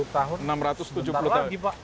enam ratus tujuh puluh tahun sebentar lagi pak